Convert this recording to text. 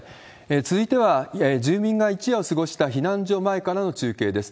続いては、住民が一夜を過ごした避難所前からの中継です。